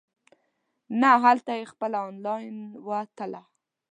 نه هلته یې خپله انلاین وتله.